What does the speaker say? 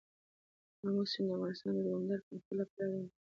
آمو سیند د افغانستان د دوامداره پرمختګ لپاره اړین دي.